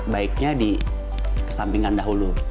baiknya dikesampingkan dahulu